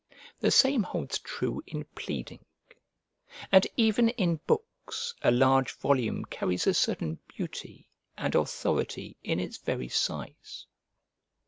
The same holds true in pleading; and even in books a large volume carries a certain beauty and authority in its very size.